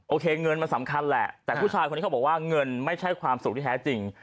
เงินมันสำคัญแหละแต่ผู้ชายคนนี้เขาบอกว่าเงินไม่ใช่ความสุขที่แท้จริง